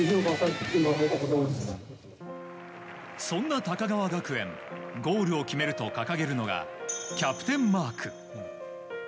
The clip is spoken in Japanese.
そんな高川学園ゴールを決めると掲げるのがキャプテンマーク。